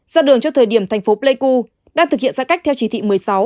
ra đường cho thời điểm thành phố pleiku đang thực hiện giãn cách theo chỉ thị một mươi sáu